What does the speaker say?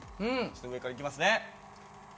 ちょっと上から行きますね。